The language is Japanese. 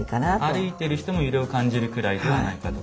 歩いている人も揺れを感じるくらいではないかと。